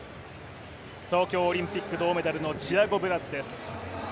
東京オリンピック銅メダルのチアゴ・ブラスです。